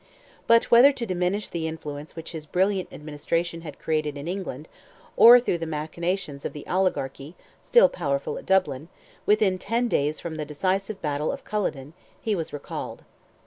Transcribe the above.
But whether to diminish the influence which his brilliant administration had created in England, or through the machinations of the oligarchy, still powerful at Dublin, within ten days from the decisive battle of Culloden, he was recalled.